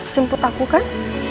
jemput aku kan